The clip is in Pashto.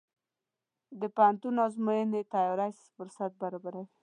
د پوهنتون ازموینې د تیاری فرصت برابروي.